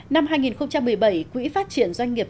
năm hai nghìn một mươi bảy quỹ phát triển doanh nghiệp